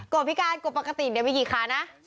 กบพิการกบปกติเนี่ยมีกี่ขานะ